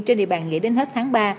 trên địa bàn nghỉ đến hết tháng ba